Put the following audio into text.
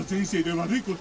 「悪いこと？」。